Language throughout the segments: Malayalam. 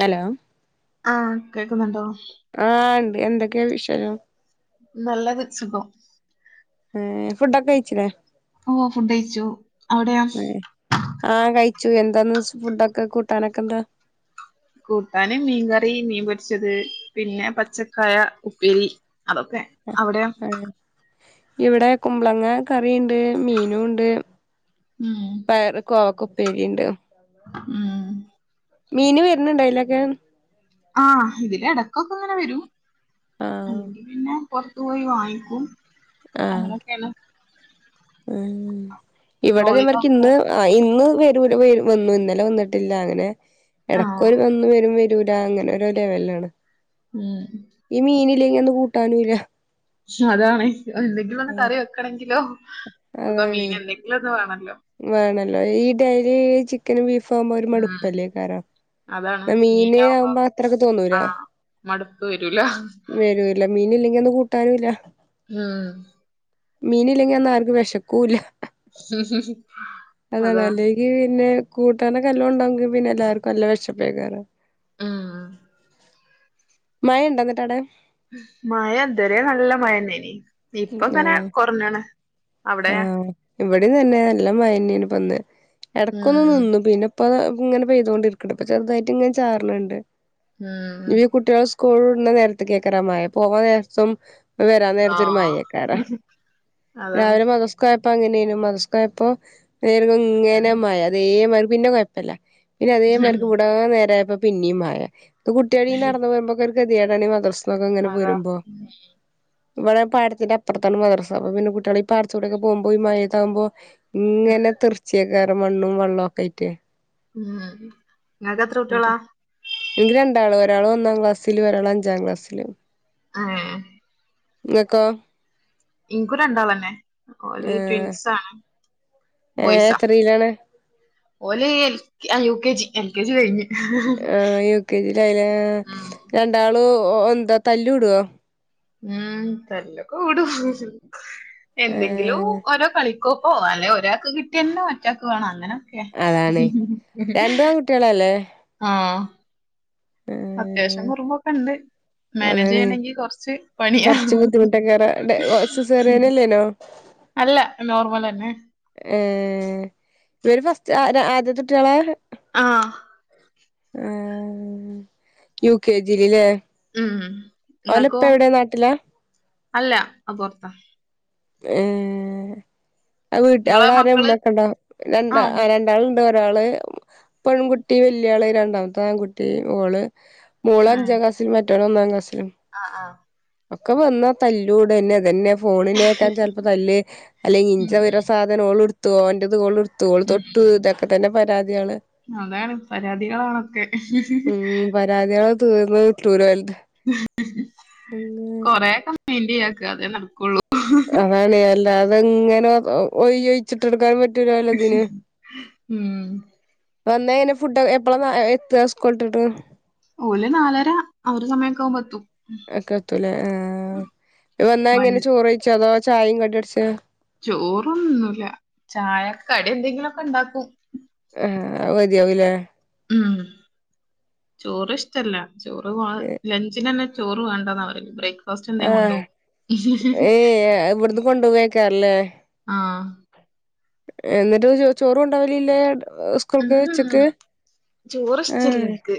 ഹലോ ആഹ് കേൾക്കുന്നുണ്ടോ? ആഹ് ഇണ്ട് എന്തൊക്കെയാ വിഷയം [unintelligible] ഏഹ് ഫുഡൊക്കെ കഴിച്ചിലേ ആഹ് ഫുഡ് കഴിച്ചു അവിടെയോ? ഏഹ് ആഹ് കഴിച്ചു എന്താന്ന് ഫുഡൊക്കെ കൂട്ടാനൊക്കെ എന്താ കൂട്ടാന് മീൻകറി മീൻപൊരിച്ചത് പിന്നെ പച്ചക്കായ ഉപ്പേരി അതൊക്കെ അവിടെയോ ആഹ് ആഹ് ഇവിടെ കുമ്പളങ്ങ കറിയുണ്ട് മീനൂണ്ട് ഉം പയറ് കോവക്ക ഉപ്പേരീണ്ട് ഉം മീന് വര്ന്ണ്ടോ അയിലൊക്കെ? ആഹ് ഇതില് ഇടക്കൊക്കെ ഇങ്ങനെ വരും ആഹ് അല്ലെങ്കിൽ പിന്നെ പുറത്തു പോയി വാങ്ങിക്കും ആഹ് അങ്ങനൊക്കാണ് ഉം ഇവിടെ ഇതേ പെട്രോളിയം മാതിരിക്ക് ഒക്കെ ഇന്ന് ആഹ് ഇന്ന് വരൂല വര് വന്നു ഇന്നലെ വന്നിട്ടില്ല അങ്ങനെ ആഹ് എടക്കൊര് വന്ന് വരും വ റ്റൂലാ അങ്ങനെ ഒരു ലെവലിലാണ് മം ഈ മീനില്ലെങ്കി അന്ന് കൂട്ടാനും ഇല്ല ക്ഷേ അതാണേ എന്തെങ്കിലും ഒന്ന് കറി വെക്കണങ്കിലോ ഒക്ക മീൻ അതാണ് എന്തെങ്കിലും ഒക്കെ വേണല്ലോ വേണല്ലോ ഈ ഡയലി ഈ ചിക്കനും ബീഫും ആകുമ്പോ ഒരു ഉം മടുപ്പല്ലേ കറോ അതാണ് ആ മീന് മീനാവുമ്പോ ആവുമ്പോ അത്രക്കെ തോന്നൂരാ ആഹ് മടുപ്പ് വരൂല വെറു ഇല്ല മീന് ഇല്ലെങ്കിൽ അന്ന് കൂട്ടാനും ഇല്ല ആഹ് മീനില്ലെങ്കിൽ അന്ന് ആർക്കും വിശക്കൂല്ല അതെ ഈ പിന്നെ കൂട്ടാനക്കെ നല്ലോം ഉണ്ടാങ്കി പിന്നെ എല്ലാവർക്കും നല്ല വിഷപ്പേക്കാറു അഹ് മഴ ഉണ്ടന്നിട്ടാട? മഴ എന്തരെ നല്ല മഴന്നെ നീ ഇപ്പ ഇങ്ങനെ ആഹ് കൊറഞ്ഞാണ് അവിടെ? ഇവിടെ തന്നെ നല്ലാം മയനീന പന്ന് ഇടക്കൊന്ന് ഉം നിന്നു പിന്നെ പ ഇപ്പ ഇങ്ങനെ പെയ്ത് കൊണ്ടിരിക്കണ്ട് ഇപ്പൊ ചെറുതായിട്ട് ഇങ്ങന ചാറനുണ്ട് ഉം ഇനി ഈ കുട്ടികളെ സ്‌ കൂളില് വിടുന്ന നേരത്ത് കേക്കറ മഴ പോവാൻ നേരത്തും വരാ ച്ചൊരു ആഹ് മഴയേക്കാറാ അതാണ് രാവിലെ മദ്‌രസ്‌ കൊഴപ്പങ്ങനെയാണു മദസ്കായപ്പോ നേരും ഇങ്ങനെ ഉം മഴ അതേമാതിരി പിന്നെ കൊഴ പ്പില്ല പിന്നെ അതേമാര്ക്ക് വിടാ നേരായപ്പോ പിന്നെയും മഴ ത് കുട്ടികളീ നടന്നു പോയുമ്പോക്കൊരു ഗതികേടാണി ഈ മദ്രസ്നൊക്കെ ഇങ്ങനെ അതാ പോരുമ്പോ ഇവിടെ പാടത്തിന്റെ അപ്പറത്താണ് മദ്രസ അപ്പൊ പിന്നെ കുട്ടികളി പാടത്തി കൂടെയൊക്കെ പോകുമ്പോ ഈ മയത്താവുമ്പോ ഇങ്ങനെ തെർച്ചിയേക്കാറേ മണ്ണും വെള്ളവും ഒക്കായിട്ടേ ഉം നിങ്ങക്ക് എത്ര കുട്ടികളാ എനിക്ക് രണ്ടാള് ഒരാള് ഒന്നാം ക്ലാസിലും ഒരാള് അഞ്ചാം ക്ലാസിലും ആഹ് നിങ്ങക്കോ ഇൻക്കും രണ്ടാളന്നെ ഓല് ഏഹ് ട്വിൻസാണ് ഏഹ് ബോയ്സാ എത്രയിലാണ് ഓല് എൽ ആഹ് U K G L K G കഴിഞ്ഞ് ആഹ് യു കെ ജി യിലായില്ലേ ഉം രണ്ടാളു എന്താ തല്ല് കൂടോ ഉം തല്ലൊക്കെ കൂടും എന്തെങ്കിലും ഏഹ് ഓരോ കളി ക്കൊക്കോ അല്ലെ ഒരാക്ക് കിട്ടിയന്നെ മറ്റാക്ക് വേണം അങ്ങനെ കേ അതാണ് രണ്ടും ആൺകുട്ടികളല്ലേ ആഹ് അത്യാവശ്യം ഏഹ് കുറുമ്പൊക്കെ ഒണ്ട് മാനേജ് അതാണ് ചെയ്യണെങ്കി കൊറച്ച് പണിയാ കൊറച്ച് ബുദ്ധിമുട്ടൊക്കേറെ ഡെ ഓ സിസേറിയനല്ലേനോ അല്ല നോർമലന്നെ ഏഹ് ഇവര് ഫസ്റ്റ് ആ ര ആദ്യത്തെ കുട്ടികളാ ആഹ് ആഹ് യു കെ ജിയിലില്ലേ ഉം നിങ്ങക്കോ അല്ല പൊറത്ത ഏഹ് ആ വീട്ടി നിങ്ങളെ അവിടെ ആരെ മക്കള് ഉമ്മയക്കൊണ്ടോ രണ്ടാ ആഹ് ര ണ്ടാളുണ്ട് ഒരാള് പെൺകുട്ടി വല്യാള് രണ്ടാമത്തെ ആൺകുട്ടി ഓള് മോളഞ്ചാം ക്ലാസിലും മറ്റോൻ ഒന്നാം ക്ലാസിലും ആ ആഹ് ഒക്കെ വന്നാ തല്ലൂടന്നെ അതന്നെ ഫോണിനെ ക്കാം ചെലപ്പോ തല്ല് അല്ലെങ്കി ഇഞ്ചെ ഉം ഓരോ സാധനം ഓളെടുത്തു ഒന്റത് ഓളെടു ത്തു ഓള് ഉം തൊട്ടു ഇതൊക്കെ തന്നെ പരാതിയാണ് അതാണ് പരാതികളാണൊക്കെ ഉം പരാതികള് തീർന്ന് കിട്ടൂല ഓലത് കൊറേ ഒക്കെ മൈന്റെയ്യാക്കാ അതേ നടക്കുള്ളൂ അതാണ് അല്ലാതെങ്ങനെ ഒയ്യയ്യ് വെച്ചിട്ടെടുക്കാൻ പറ്റൂലാല്ലോതിന് ഉം വന്നേ അയിനു ഫുഡ് എപ്പളാ എത്തുവാ സ്കൂളിട്ടിട്ട് ഓല് നാലര ആഹ് ഒരു സമയൊക്ക ആവുമ്പോ എത്തും ഒക്കെത്തൂലേ ആഹ് വന്നാ എങ്ങനെ വണ്ടി ചോറ് കഴിച്ചോ അതോ ചായയും കടിയും അടിച്ചേ ചോറൊന്നുന്നുല്ല ചായക്ക്‌ കടിയെന്തെങ്കിലൊക്കെ ഉണ്ടാക്കും ആഹ് അത് മതിയാവുല്ലേ ഉം ചോറ് ഇഷ്ടല്ല ചോറ് വാ ലഞ്ചിനന്നെ ചോറ് വേണ്ടാന്നാ പറയല് ബ്രേക്ക് ഫാസ്റ്റെന്തേ ആഹ് കൊണ്ടോവും ഏഹ് ഇവിടുന്ന് കൊണ്ടുപോവേക്കാരല്ലേ ആഹ് എന്നിട്ട് ചോ ചോറു കൊണ്ടോവലില്ലേ സ്‌ ഉം ചോറ് ഇഷ്ടില്ല ആഹ് ഓര്ക്ക്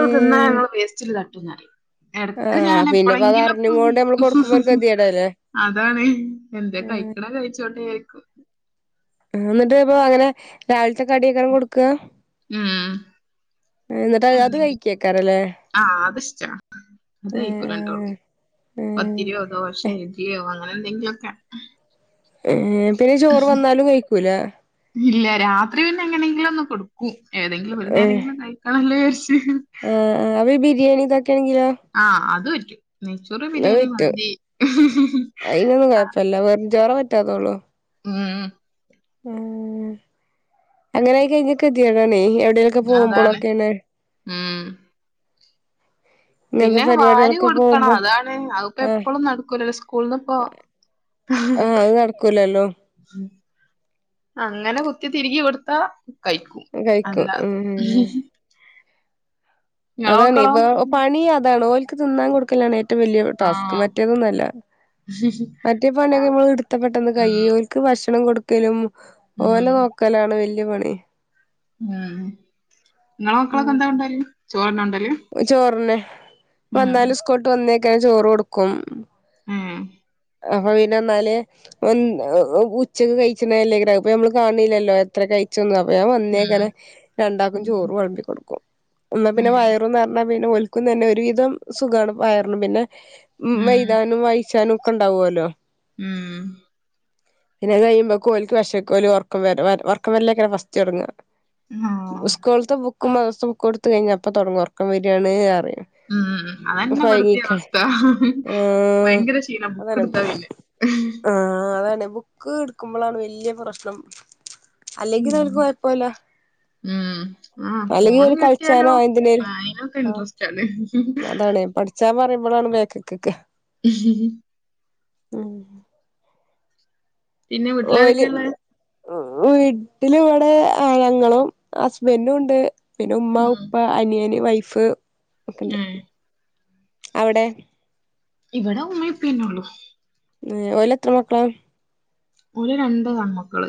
ഏ തിന്നാ ഞങ്ങള് വേ സ്റ്റില് തട്ടൂന്നറയും എടക്ക് ആഹ് ഞാൻ പിന്നെപ്പ അത് എപ്പളെങ്കിലൊക്കെ അറിഞ്ഞുകൊണ്ട് നമ്മള് കൊടുക്കുമ്പോ ഒരു ഒന്ന് ഗതികേടല്ലേ അതാണ് എന്തേം കഴിക്കണ കഴിച്ചോട്ടേ വിചാര്ക്കും എന്നിട്ട് ഇപ്പൊ അങ്ങനെ രാവിലത്തെ കടിയൊക്കാണ് കൊടുക്ക ഉം എന്നിട്ട് അത് അത് എന്തെങ്കിലും കഴിക്കേക്കാരല്ലേ ആഹ് അതിഷ്ടാ അത് [unintelligible] ഏഹ് ദോശെ ഇഡലിയോ അങ്ങനെ എന്തെങ്കിലൊക്കെ. ഏഹ് പിന്നെ ചോറ് വന്നാലും കഴിക്കൂലെ. ഇല്ല രാത്രി പിന്നെ എങ്ങനെങ്കിലും ഒന്ന് കൊടുക്കും ഏതെങ്കിലും ഒരു ഏഹ് നേരെങ്കിലും കഴ്‌ ക്കണല്ലോയാരിച്ചു ആഹ് ആഹ് അപ്പൊ ഈ ബിരിയാണിതൊക്കണെങ്കിലോ. ആഹ്, അത് പറ്റും നെയ്ച്ചോറ്, ബിരിയാണി, പറ്റും മന്തി ആഹ് ല്ല. വെറുംചോറാ റ്റാത്തോള്ളൂ. ഉം ഉം ഉം അങ്ങനെയി കഴിഞ്ഞ കെതിയേട് ആണേയ് എവിടേം അതാണ്, ഉം. ഇങ്ങനത്തെ പിന്നെ വാരി പരിപാടികളൊക്കെ കൊടുക്കണം പോകുമ്പോ അതാണ് അതിപ്പോ ആഹ് എപ്പളും നടക്കൂല സ്കൂൾന്ന് പ്പൊ ഏഹ്, അത് നടക്കൂലല്ലോ. അങ്ങനെ കുത്തി തിരികി കൊടുത്താ കഴിക്കും അല്ല കഴിക്കും ഉം നിങ്ങളെ അതാണ് മക്കളോ പ്പ പണി അതാണ് പ്പൊ ഓൽക്ക് തിന്നാൻ കൊടുക്കലാണ്. റ്റവും വലിയ ആ ടാസ്ക് മറ്റേതൊന്നുഅല്ല മറ്റെ ആ, പണിയൊക്കെ നമ്മൾ എടുത്ത പെട്ടെന്ന് ഉം, കയ്യും ക്ക് ഭക്ഷണം കൊടുക്കലും ഓലെ ഉം, നോക്കലാണ് വല്ല്യ പണി. ഉം, നിങ്ങളെ മക്കളൊക്കെ എന്താ കൊണ്ടോവല് ചോറന്നെ കൊണ്ടോവൽ ചോറന്നെ, വന്നാലും സ്കൂൾ വിട്ട് വന്നേക്കന്നെ ചോറ് കൊടുക്കും. ഉം അപ്പൊ പിന്നെ ന്നാല്. ഉച്ചക്ക് കഴിച്ചണല്ലേ്ക്കാരം അത് പ്പൊ നമ്മള് കാണില്ലല്ലോ എത്ര കഴ്‌ ച്ചുംന്നു. അപ്പ ഞാൻ ഉം വന്നേക്കനെ രണ്ടാക്കും ഉം ചോറ് വളമ്പി കൊടുക്കും. ന്നാ പിന്നെ ഉം വയറുനിറഞ്ഞ പിന്നെ ഓല് ക്കും തന്നെ ഒരുവിധം സുഖാണ് വയറിനും പിന്നെ ഉം മൈതാനും വായിച്ചാനും ഒക്കെ ഇണ്ടാവൊല്ലോ ഉം പിന്നെ അത് കയ്യുമ്പക്ക് ഓൽക്ക് വെശക്കലും ഒറക്കം വര വര് ഒറക്കം വരലയ്ക്കാരം ഫസ്റ്റ് തൊടങ്ങ ആ, സ്കൂള്ത്ത ബുക്കും മദ്റസ ബുക്കും എട്ത്ത് കഴിഞ്ഞ അപ്പ തൊടങ്ങും ഒറക്കം വരാണ് അറിം ഉം ഉം അതന്നെ ഇവടത്തിം അവസ്ഥ ആഹ് ഭയങ്കര ക്ഷീണ ബുക്ക് അതാണ് എടുത്താ പിന്നെ ആഹ് അതാണ് ബുക്ക് ഇട്ക്കുബളാണ് വല്യേ പ്രശ്നം അല്ലെങ്കിൽ ഉം ഓല്ക്ക് കൊഴപ്പൊല്ല ഉം ആ ഫോൺ ഒരു കളിച്ചാനോ കിട്ടാലോ എന്തിനേലും അതിനൊക്കെ ഇൻട്രസ്റ്റ് ആല്ലേ അതാണ് പഠിച്ചാ പറയുമ്പളാണ് ബേക്കിക് ക്ക ഹും പിന്നെ ഓല് വീട്ടിലാരൊക്കെയാ ഉള്ളെ ന്നാ വീട്ട്ല് വടെ ആ ഞങ്ങളും ഹസ്ബൻഡുണ്ട് പിന്നെ ഉമ്മ ഉം ഉപ്പ അനിയന് വൈഫ് ഒക്കണ്ട് ഏഹ് അവടെ ഇവടെ ഉമ്മി ഉപ്പിയെന്നൊള്ളു ഏഹ് ഓലെത്ര മക്കള ഓല് രണ്ട് ആൺമക്കള്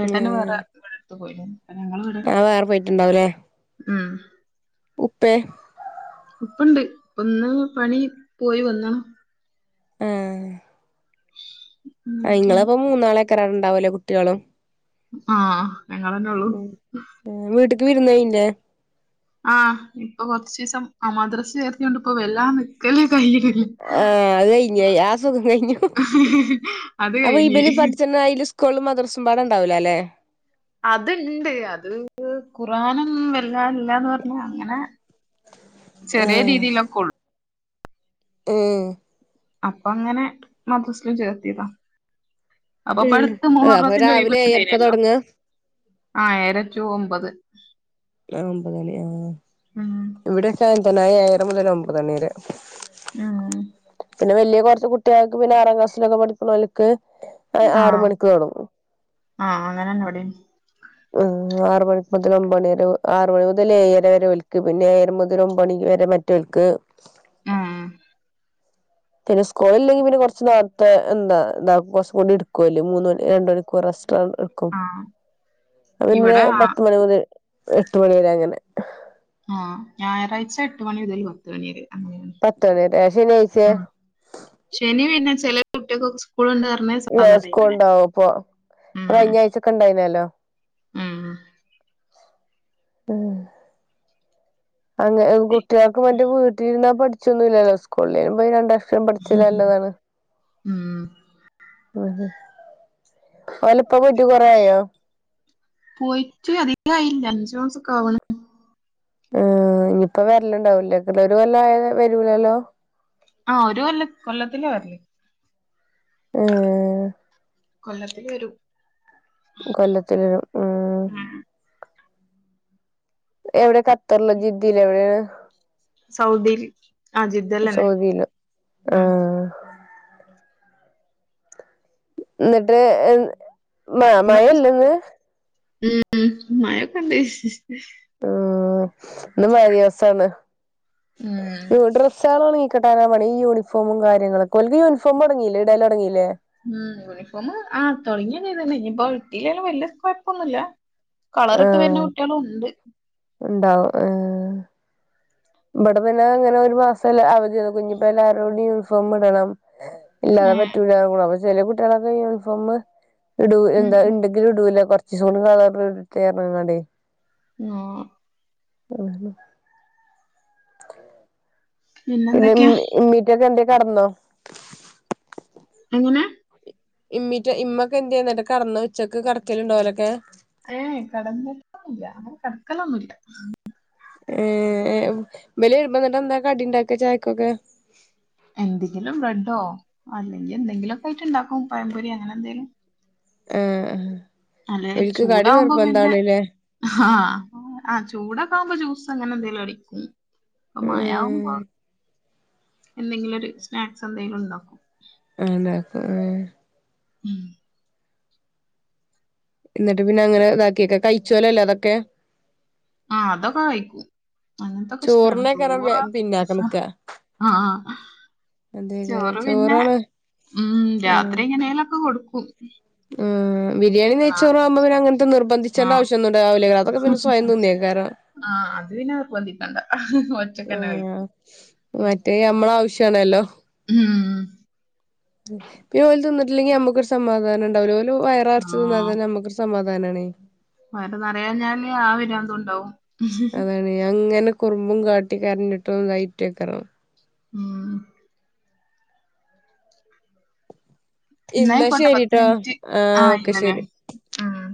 ഏട്ടന് വേറെ വീടെടുത്തു പോയിണു ഞങ്ങള്‌വടെ ആഹ് വേറെ പോയിട്ടുണ്ടാവുംല്ലേ ഉം ഉപ്പേ ഉപ്പണ്ട് പ്പന്ന് പണി പോയിവന്നണ് ഏഹ് ആ അങ്ങനെയൊക്കെയാണ് ഇങ്ങളപ്പോ മൂന്നാളേക്കാരം അവട ണ്ടാവലേ കുട്ടേളും ആഹ് ഞങ്ങളെന്നൊള്ളു ഏഹ് വീട്ട്ക്ക് വിരുന്നോയില്ലേ ആഹ് ഇപ്പൊ കൊറച്ചീസം അ മദ്രസ ചേർത്തിയോണ്ട് ഇപ്പൊ വെല്ലാ നിക്കല് കയ്യൂല ആഹ് അത് കഴിഞ്ഞോയ് ആ സുഖം കഴിഞ്ഞു അത് അപ്പൊ കഴിഞ്ഞ് ഇബല്‌ പഠിച്ചെണ്ണയില് സ്കോളും മദർസും പാടണ്ടാവൂല്ല ല്ലേ അത്ണ്ട് അത് ഖുർആനൊന്നും വെല്ലാ ഇല്ലാന്ന് പറഞ്ഞ് അങ്ങനെ ചെറേ രീതിയിലൊകൊള്ളു ഏഹ് അപ്പങ്ങനെ മദ്രസിലും ചേർത്തിതാ അപ്പ ഉം ഇപ്പട്ത്ത് അപ്പൊ മുഹറത്തിന്റെ രാവിലെ ഏഴരക്കാ ഒഴിവ്ണ്ടായിനല്ലോ തൊടങ്ങ ആഹ് ഏയര റ്റു ഒമ്പത് ആഹ് ഒമ്പതണി ആഹ് ആഹ് ഇവിടെയൊക്കെ അങ്ങൻത്തന്നെ ഏഴര മുതൽ ഒമ്പത് മണി വരെ ആഹ് പിന്നെ വല്ല്യ കൊറച്ച് കുട്ടേൾക്ക് പിന്നെ ആറാം ക്ലാസിലൊക്കെ പഠിക്ക്ണോ ല്ക്ക് ആറ് ആഹ് മണിക്ക് തൊടങ്ങും ആഹ് അങ്ങനെന്ന വടിം ആഹ് ആറ് മണി മുതൽ ഒമ്പ മണി വരെ ആറ് മണി മുതൽ ഏയരവരെ ഒൽക്ക് പിന്നെ ഏയര മുതൽ ഒമ്പത് മണി വരെ മ. റ്റോൽക്ക് ഉം പിന്നെ സ്കൂള് ഇല്ലെങ്കി പിന്നെ കൊറ്ച്ച് നേർത്തെ എന്താ എന്ത കൊറ്ച്ചും കൂടി ഇടുക്കോൽ മൂന്ന് മണി രണ്ട് മണിക്കൂർ എസ്ട്ര - - ക്കും ആഹ് അത് പിന്നെ ഇവിടെ ആ പത്ത് മണി മുതൽ എട്ട് മണി വരെ അങ്ങനെ. ആഹ് ഞായറാഴ്ച എട്ട് മണി മുതൽ പത്തണിവരെ പത്തണി വരെ ആ ശനിഴായ്ച്ചെ ശനി പിന്നെ ചെല കുട്ട്യാ കൊക്കെ സ്കൂ. ഇപ്പോളെന്താപറഞ്ഞേ. ഏഹ് സ്കൂൾ ഉണ്ടാവും പ്പൊ അത് ഉം കഴിഞ്ഞ ആഴ്ചൊക്കെണ്ടായിരുന്നല്ലോ. ഉം ഉം ഹ് അങ്ങ കുട്ട്യാക്കും മറ്റേ വീട്ടിരുന്നാ പഠിച്ചൊന്നും ഇല്ലല്ലോ സ്കൂളിൽ വരുമ്പോ രണ്ട ക്ഷരം പഠിച്ചല് നല്ലതാണ്. ഉം. ഉം ഓലേപ്പ പോയിട്ട് കൊറേ ആയോ? പോയിട്ട് അധികായില്ല അഞ്ചുമാസൊക്കെ ആവ്ണ്. ആഹ് ഇനിയിപ്പോ വര്ല്ണ്ടാവൂലേക്കുലേ ഒരു കൊല്ലം ആയ വരൂലല്ലോ. ആഹ് ഒരു കൊല്ല കൊല്ലത്തിലാ വരല്. ഏഹ്. കൊല്ലത്തിൽ വരും. കൊല്ലത്തിലെരും ഉംഹ്. ഉം എവിടെ കത്തർലൊ ജിദ്ദലോ എവിടെയാണ്? സൗദിയിൽ ആഹ് ജിദ്ദയിലന്നെ സൗദിയില് ഉം. ആഹ് ന്നിട്ട് ഏഹ് മ മഴല്ലേ ഇന്ന്. ഉം മഴൊക്കെണ്ട്. അഹ് ഇന്ന് മഴ ദിവസാണ്. ഉം ഡ്രസ്സോളൊ ണങ്ങി കിട്ടാന പണി. ഈ യൂണിഫോമും കാര്യങ്ങളൊക്കെ ഓല്ക്ക് യൂണഫോമ് തൊടങ്ങിലേ ഇടൽ തൊടങ്ങീല്ലേ. ഉം യൂണിഫോം ആ തൊടങ്ങിക്കെ ചെയ്ത്ക്ണ് ഇനി ഇട്ടീലേലും വല്ല്യ കൊഴപ്പൊന്നുല്ല. കളറിട്ട് വര്ന്ന കുട്ട്യാളും ഉണ്ട്. ഉണ്ടോ ഏഹ്. ഇവിടെ പിന്നെ അങ്ങനെ ഒരു മാസല്ല അവധിന്നേ ഞ്ഞിപ്പം എല്ലാരോടും യൂണിഫോം ഇടണം ഇല്ലാതെ ഏഹ് പറ്റൂല്ല അപ്പൊ ചെല കുട്ടികളൊക്കെ യൂണിഫോം ഇടു ഉം എന്താ ഉണ്ട്. ഇടൂല കൊർച്ചീസുക്കൂടി കളർ ഇടട്ടേ പർഞ്ഞ്കാണ്ടെ. നോ ഉം. പിന്നെന്തെക്കെയാ. ഇമ്മീറ്റൊക്കെ എന്തേ കടന്നോ. എങ്ങനെ ഇമ്മിറ്റ ഇമ്മൊക്കെ എന്ധ്യേ എന്നിട്ട് കടന്നോ ഉച്ചക്ക് കടക്കലുണ്ടോലൊക്കെ. ഏഹ് കടന്നിട്ടോന്നുല്ല അങ്ങനെ കടക്കലൊന്നുല്ല. ഏഹ് ഇവല് വെരുമ്പ എന്നിട്ട് എന്താ കടി ഉണ്ടാക്ക ചായക്കൊക്കെ എന്തെങ്കിലും ബ്രെഡോ അല്ലെങ്കിൽ എന്തെങ്കിലുമൊക്കെ ആയിട്ട് ഉണ്ടാക്കും പായംപൊരി അങ്ങനെ എന്തെലും ആഹ് ഓൽക്ക് കടി നിർബന്താണല്ലേ ആഹ് ആ ചൂടൊക്കെ ആകുമ്പോ ജ്യൂസ് അങ്ങനെ എന്തെങ്കിലും അടിക്കും. ഉം മയാവുമ്പോ എന്തെങ്കിലും ഒരു സ്നാക്സ് എന്തെങ്കിലും ഉണ്ടാക്കും. ആഹ് ഉണ്ടാക്കും ഏഹ് ഉം ന്നട്ട് പിന്നെ അങ്ങനെ ഇതാക്കിയൊക്കെ കഴിച്ചോലോല്ലെ അതൊക്കെ. ആഹ് അതൊക്കെ കഴിക്കൂം അങ്ങനത്തൊക്കെ ഇഷ്ടാണ് ചോറിനേക്കാരം ചോറ വെ പിന്നാക്ക ഹ നിക്കാ ആഹ് അതേക്കാരം ചോറ് പിന്നെ ചോറാണ് ഉം രാത്രി എങ്ങനെലൊക്കെ കൊടുക്കും. ഉം ബിരിയാണി ആ നയ്ച്ചോറൊക്കെ ആവുമ്പോ പിന്നെ അങ്ങനത്തെ നിർ ആ ബന്ധിച്ചേണ്ട ആവശ്യന്നുണ്ടാവില്ല അതൊക്കെ സ്വയം തിന്നേക്കാരം പ ആഹ് അത് പിന്നെ പൊന്തിക്കണ്ട ആഹ് മറ്റേ നമ്മളെ ആവശ്യാണല്ലോ ഉം പിന്നെ ഓല് തിന്നിട്ടില്ലെങ്കിൽ നമ്മുക്ക് ഒരു സമാധാനംണ്ടാവൂല ഓല് വയറ് നെറച്ചു തിന്നാ ആ തന്നെ നമ്മക്ക് ഒര് സ സമാധാനാണേ വയറ് നിറയഞ്ഞാല് ആ പിരാന്തുണ്ടാവും അങ്ങനെ കുറുമ്പും കാട്ടി കരഞ്ഞിട്ടും ഇത് ആയ്റ്റക്കാരം ഉം ഇന്നാ എന്നായിക്കോട്ടെ പത്ത് ശരിട്ടോ മിനിറ്റ് ആഹ് ഓക്കെ ഇല്ലല്ലേ ശെരി ഉം